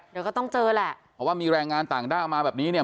เดี๋ยวก็ต้องเจอแหละเพราะว่ามีแรงงานต่างด้าวมาแบบนี้เนี่ย